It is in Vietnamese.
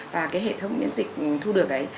và cái hệ thống miễn dịch thu được ấy